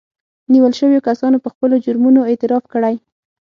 نيول شويو کسانو په خپلو جرمونو اعتراف کړی